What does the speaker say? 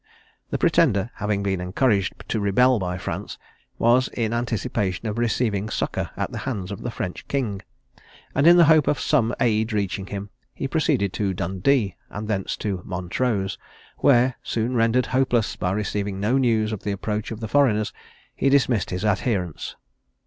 The Pretender having been encouraged to rebel by France, was in anticipation of receiving succour at the hands of the French king, and in the hope of some aid reaching him, he proceeded to Dundee, and thence to Montrose, where, soon rendered hopeless by receiving no news of the approach of the foreigners, he dismissed his adherents.